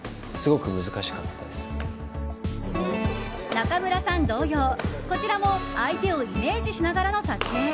中村さん同様、こちらも相手をイメージしながらの撮影。